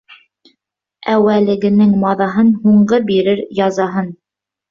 Әүәлгенең маҙаһын һуңғы бирер язаһын.